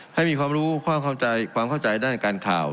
ให้มีความรู้ความเข้าใจด้านการข่าว